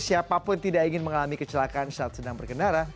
siapapun tidak ingin mengalami kecelakaan saat sedang berkendara